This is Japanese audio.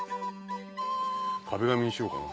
壁紙にしようかな。